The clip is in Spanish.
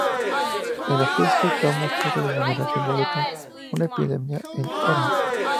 En "La peste", Camus trata de manera simbólica una epidemia en Oran.